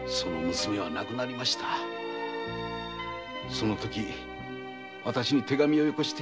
その時私に手紙をよこして。